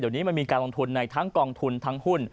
เดี๋ยวนี้มันมีการลงทุนในทั้งกองทุนทั้งหุ้น